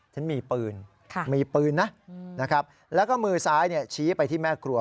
ฉันมีปืนมีปืนนะนะครับแล้วก็มือซ้ายชี้ไปที่แม่ครัว